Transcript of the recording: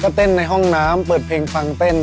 ก็เต้นในห้องน้ำเปิดเพลงฟังเต้น